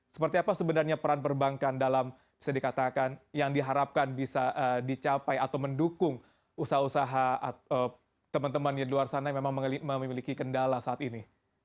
seperti apa sebenarnya peran perbankan dalam bisa dikatakan yang diharapkan bisa dicapai atau mendukung usaha usaha teman teman di luar sana yang memang memiliki kendala saat ini